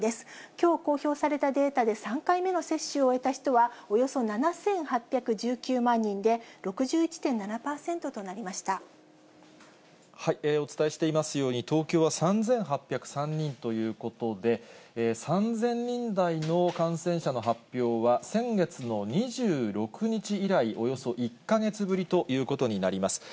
きょう公表されたデータで３回目の接種を終えた人はおよそ７８１９万人で、お伝えしていますように、東京は３８０３人ということで、３０００人台の感染者の発表は先月の２６日以来、およそ１か月ぶりということになります。